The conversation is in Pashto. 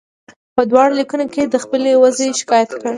په دواړو لیکونو کې یې د خپلې وضعې شکایت کړی.